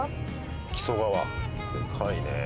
木曽川デカいね。